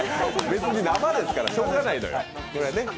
別に生ですから、しようがないのよ。